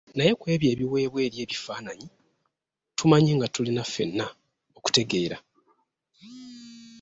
Naye ku ebyo ebiweebwa eri ebifaananyi, tumanyi nga tulina fenna okutegeera.